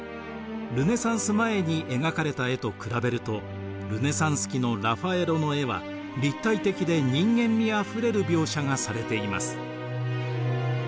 ルネサンス前に描かれた絵と比べるとルネサンス期のラファエロの絵は立体的で人間味あふれる描写がされています。